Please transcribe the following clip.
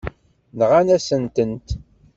Nɣan-asent-tent.